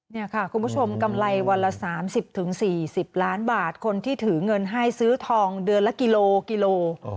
นี่ค่ะคุณผู้ชมกำไรวันละ๓๐๔๐ล้านบาทคนที่ถือเงินให้ซื้อทองเดือนละกิโลกิโล